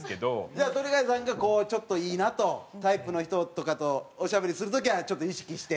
じゃあ鳥飼さんがこうちょっといいなとタイプの人とかとおしゃべりする時はちょっと意識して？